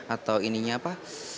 atau ininya apa